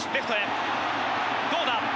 どうだ？